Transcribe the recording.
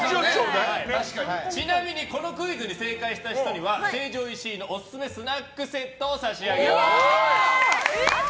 ちなみにこのクイズに正解した人には成城石井のオススメスナックセットを差し上げます。